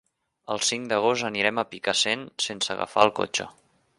El cinc d'agost anirem a Picassent sense agafar el cotxe.